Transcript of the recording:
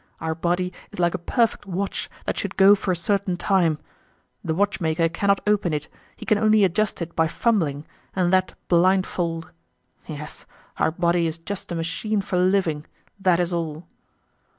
Our body is like a perfect watch that should go for a certain time; the watchmaker cannot open it, he can only adjust it by fumbling, and that blindfold.... Yes, our body is just a machine for living, that is all."